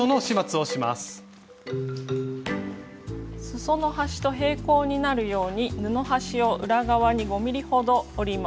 すその端と平行になるように布端を裏側に５ｍｍほど折ります。